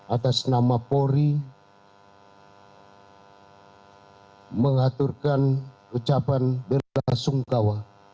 atas nama polri mengaturkan ucapan berlangsung kawah